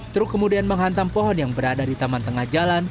truk kemudian menghantam pohon yang berada di taman tengah jalan